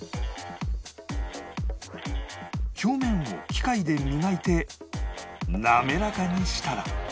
表面を機械で磨いてなめらかにしたら